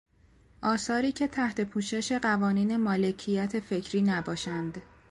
آثاری که تحت پوشش قوانین مالکیت فکری نباشند